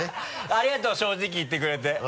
ありがとう正直言ってくれて。